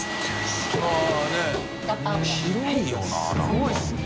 すごいですね。